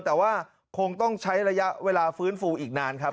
แต่ว่าคงต้องใช้ระยะเวลาฟื้นฟูอีกนานครับ